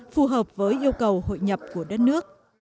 phù hợp với yêu cầu hội nhập của đất nước